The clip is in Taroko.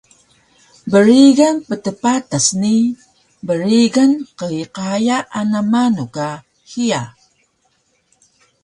brigan ptpatas ni brigan qyqaya ana manu ka hiya